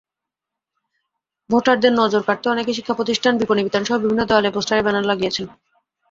ভোটারদের নজর কাড়তে অনেকে শিক্ষাপ্রতিষ্ঠান, বিপণিবিতানসহ বিভিন্ন দেয়ালে পোস্টার, ব্যানার লাগিয়েছেন।